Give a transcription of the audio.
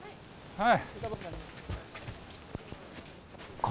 はい。